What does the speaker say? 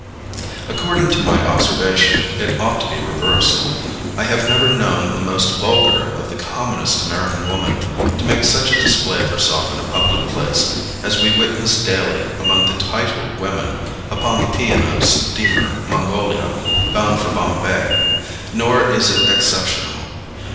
According to my observation it ought to be reversed. I have never known the most vulgar or the commonest American woman to make such a display of herself in a public place as we witnessed daily among the titled women upon the P. and O. steamer Mongolia, bound for Bombay. Nor is it exceptional.